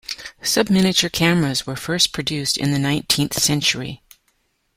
Subminiature cameras were first produced in the nineteenth century.